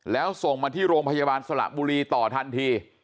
แล้วส่งมาที่โรงพยาบาลสละบุรีต่อทันที